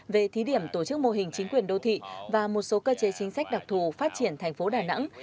về thí điểm tổ chức mô hình chính quyền đô thị và một số cơ chế chính sách đặc thù phát triển thành phố đà nẵng